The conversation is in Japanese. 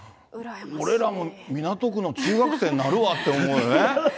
俺らも港区の中学生になるわって思うよね。